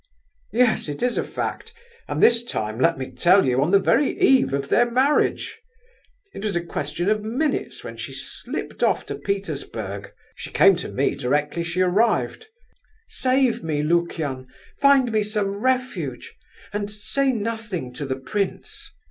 "Yes, it is a fact, and this time, let me tell you, on the very eve of their marriage! It was a question of minutes when she slipped off to Petersburg. She came to me directly she arrived—'Save me, Lukian! find me some refuge, and say nothing to the prince!